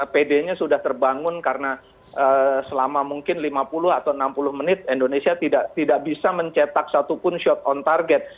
pd nya sudah terbangun karena selama mungkin lima puluh atau enam puluh menit indonesia tidak bisa mencetak satupun shot on target